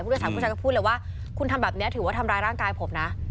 ผู้โดยสารผู้ชายก็พูดเลยว่าคุณทำแบบนี้ถือว่าทำร้ายร่างกายผมนะ